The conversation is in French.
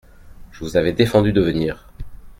Je vous avais défendu de venir !